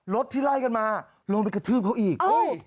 ที่ไล่กันมาลงไปกระทืบเขาอีก